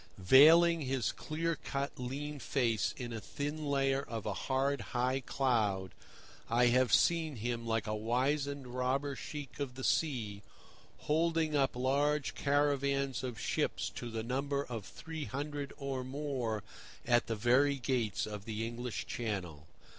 Veiling his clear cut, lean face in a thin layer of a hard, high cloud, I have seen him, like a wizened robber sheik of the sea, hold up large caravans of ships to the number of three hundred or more at the very gates of the English Channel.